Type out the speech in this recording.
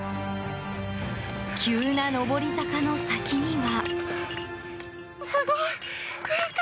急な上り坂の先には。